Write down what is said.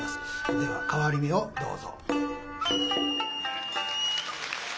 では「替り目」をどうぞ。